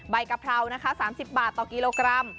กะเพรานะคะ๓๐บาทต่อกิโลกรัม